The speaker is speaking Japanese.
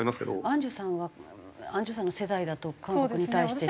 アンジュさんはアンジュさんの世代だと韓国に対して。